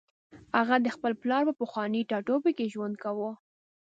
هغه د خپل پلار په پخواني ټاټوبي کې ژوند کاوه